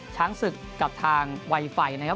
ช้างศึกกับทางไวไฟนะครับ